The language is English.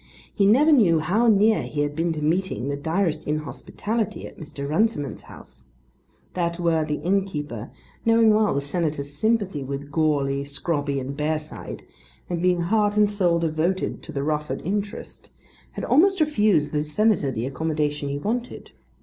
He never knew how near he had been to meeting the direst inhospitality at Mr. Runciman's house. That worthy innkeeper, knowing well the Senator's sympathy with Goarly, Scrobby and Bearside, and being heart and soul devoted to the Rufford interest, had almost refused the Senator the accommodation he wanted.